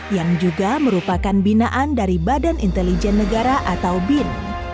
yang juga merupakan binaan dari badan intelijen negara atau bin